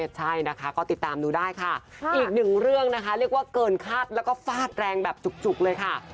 ใช่นะคะก็ติดตามดูได้ค่ะอีกหนึ่งเรื่องนะคะเรียกว่าเกินคาดแล้วก็ฟาดแรงแบบจุกเลยค่ะ